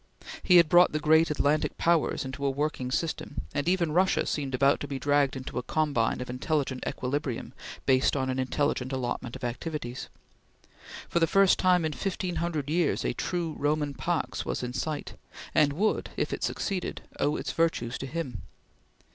He had brought the great Atlantic powers into a working system, and even Russia seemed about to be dragged into a combine of intelligent equilibrium based on an intelligent allotment of activities. For the first time in fifteen hundred years a true Roman pax was in sight, and would, if it succeeded, owe its virtues to him.